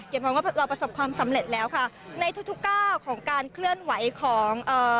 มองว่าเราประสบความสำเร็จแล้วค่ะในทุกทุกก้าวของการเคลื่อนไหวของเอ่อ